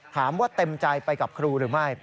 ถามว่าเต็มใจไปกับครูหรือไม่